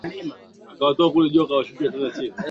kunatokana na hali ya